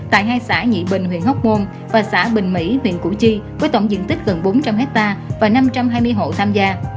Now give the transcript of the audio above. tại hai xã nhị bình huyện hóc môn và xã bình mỹ huyện củ chi với tổng diện tích gần bốn trăm linh hectare và năm trăm hai mươi hộ tham gia